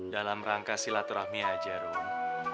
dalam rangka silaturahmi aja rom